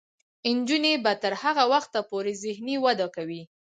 نجونې به تر هغه وخته پورې ذهني وده کوي.